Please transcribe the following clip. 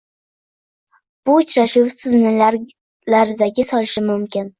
Bu uchrashuv Sizni larzaga solishi mumkin